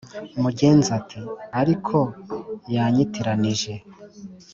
Mugenza ati"ariko yanyitiranije